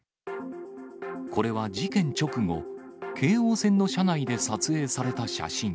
これは事件直後、京王線の車内で撮影された写真。